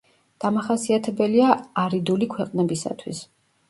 დამახასიათებელია არიდული ქვეყნებისათვის.